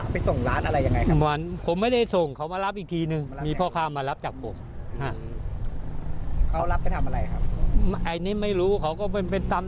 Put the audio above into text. บ้านลุงไม่ได้เป็นโรงงานทำไม่เลยถามหน้าข่าวที่เข้าไปดูกันแล้วกัน